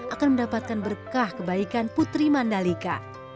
akan mendapatkan berkah kebaikan putri mandalika